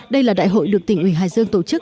đây là đại hội được tỉnh ủy hải dương tổ chức